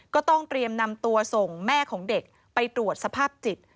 ก็ต้องเตรียมนำตัวส่งแม่ของเด็กไปตรวจสภาพจิต